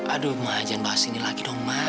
aduh ma jangan bahas ini lagi dong ma